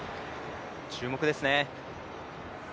注目ですね。